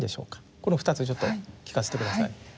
この２つちょっと聞かせて下さい。